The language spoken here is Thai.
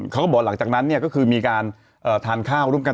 เขาก็บอกหลังจากนั้นเนี่ยก็คือมีการทานข้าวร่วมกัน